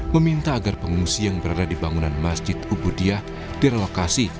meminta agar pengungsi yang berada di bangunan masjid ubudiah direlokasi